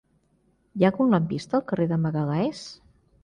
Hi ha algun lampista al carrer de Magalhães?